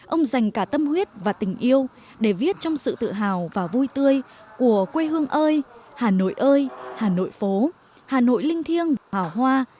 ông dành cả tâm huyết và tình yêu để viết trong sự tự hào và vui tươi của quê hương ơi hà nội ơi hà nội phố hà nội linh thiêng hào hoa